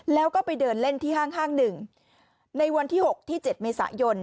แล้วก็ไปเดินเล่นที่ห้างหนึ่งในวันที่๖ที่๗เมษายน